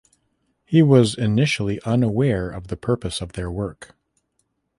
He was initially unaware of the purpose of their work.